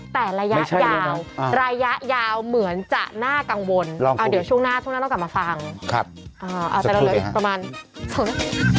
แต่ระยะยาวระยะยาวเหมือนจะน่ากังวลอ่ะเดี๋ยวช่วงหน้าต้องกลับมาฟังอ่าไปเร็วเลยประมาณ๒นาที